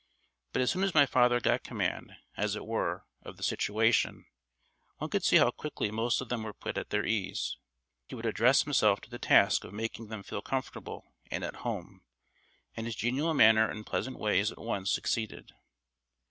But as soon as my father got command, as it were, of the situation, one could see how quickly most of them were put at their ease. He would address himself to the task of making them feel comfortable and at home, and his genial manner and pleasant ways at once succeeded.